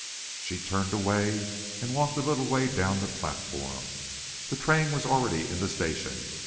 She turned away, and walked a little way down the platform. The train was already in the station.